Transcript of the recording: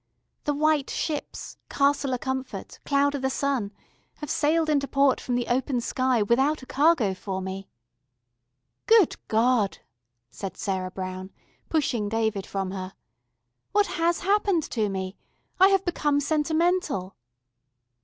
The white ships ... Castle of Comfort ... Cloud i' the Sun have sailed into port from the open sky without a cargo for me...." "Good God!" said Sarah Brown, pushing David from her. "What has happened to me? I have become sentimental."